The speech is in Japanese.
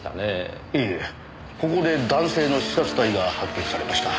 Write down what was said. ええここで男性の刺殺体が発見されました。